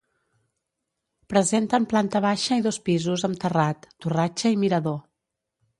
Presenten planta baixa i dos pisos amb terrat, torratxa i mirador.